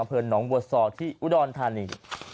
อเผิญหนองวัดศอกที่อุดรธานี